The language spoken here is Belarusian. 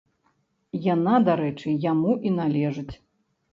Яна, дарэчы, яму і належыць.